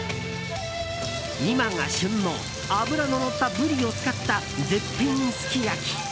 今が旬の脂ののったブリを使った絶品すき焼き。